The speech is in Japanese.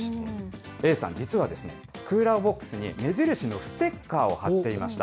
Ａさん、実はクーラーボックスに目印のステッカーを貼っていました。